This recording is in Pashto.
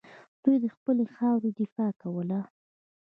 دوی د خپلې خاورې دفاع کوله